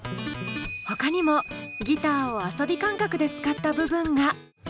ほかにもギターを遊び感覚で使った部分が。